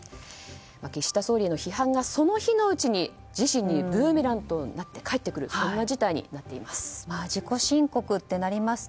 岸田総理への批判がその日のうちに自身にブーメランとなって返ってくるそんな事態になっています。